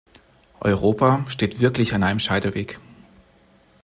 Europa steht wirklich an einem Scheideweg.